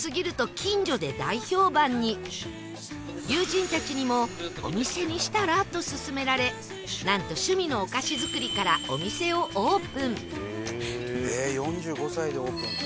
友人たちにもお店にしたらと勧められなんと趣味のお菓子作りからお店をオープンえ４５歳でオープンか。